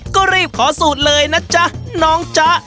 ก็รีบขอสูตรเลยนะจ๊ะน้องจ๊ะ